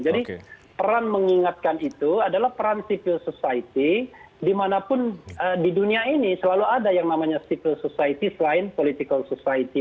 jadi peran mengingatkan itu adalah peran civil society dimanapun di dunia ini selalu ada yang namanya civil society selain political society